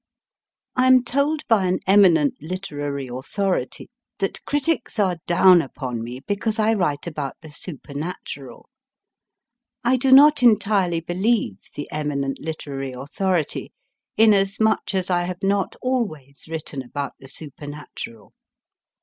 I am told by an eminent literary authority that critics are * down upon me because I write about the supernatural. I do not entirely believe the eminent literary authority, inasmuch as I have not always written about the supernatural.